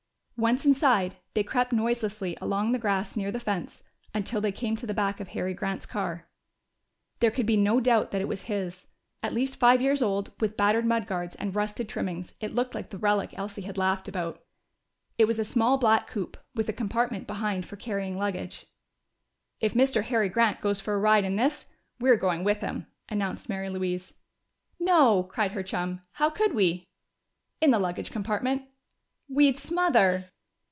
Once inside, they crept noiselessly along the grass near the fence until they came to the back of Harry Grant's car. There could be no doubt that it was his. At least five years old, with battered mudguards and rusted trimmings, it looked like the relic Elsie had laughed about. It was a small black coupé, with a compartment behind for carrying luggage. "If Mr. Harry Grant goes for a ride in this, we're going with him!" announced Mary Louise. "No!" cried her chum. "How could we?" "In the luggage compartment." "We'd smother."